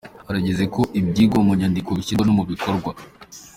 Harageze ko ibyigwa mu nyandiko bishyirwa no mu bikorwa